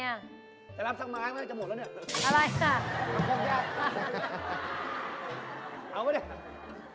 ไหนรับสักมาอางานจะหมดแล้วเนี่ย